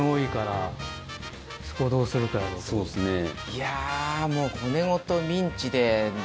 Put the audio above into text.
いやもう。